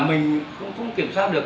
mình không kiểm soát được